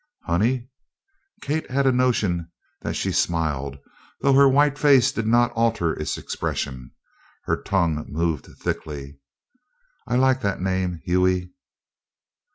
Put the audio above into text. "Honey!" Kate had a notion that she smiled, though her white face did not alter its expression. Her tongue moved thickly, "I like that name, Hughie."